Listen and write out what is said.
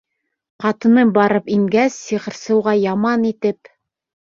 Ҡатыным барып ингәс, сихырсы уға яман итеп: